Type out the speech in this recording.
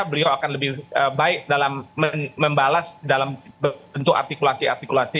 beliau akan lebih baik dalam membalas dalam bentuk artikulasi artikulasi